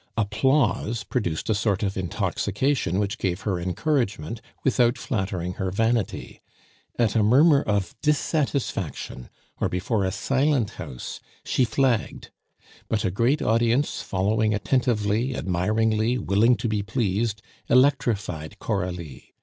Applause produced a sort of intoxication which gave her encouragement without flattering her vanity; at a murmur of dissatisfaction or before a silent house, she flagged; but a great audience following attentively, admiringly, willing to be pleased, electrified Coralie.